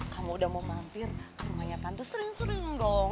kamu udah mau mampir ke rumahnya tante sering sering dong